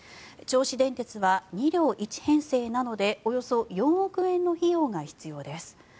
銚子電鉄は２両１編成なのでおよそ４億円の費用が必要です。